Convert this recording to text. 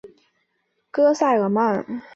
戈塞尔曼。